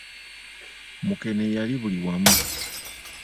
Mukene y’ali buli wamu.